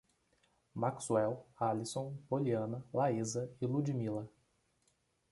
Maxuel, Alisson, Poliana, Laísa e Ludimila